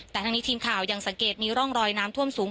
แต่ทั้งนี้ทีมข่าวยังสังเกตมีร่องรอยน้ำท่วมสูง